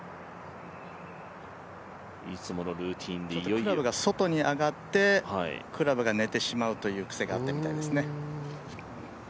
ちょっとクラブが外に上がってクラブが寝てしまうという癖があったみたいですね。